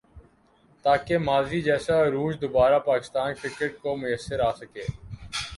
تاکہ ماضی جیسا عروج دوبارہ پاکستان کرکٹ کو میسر آ سکے ۔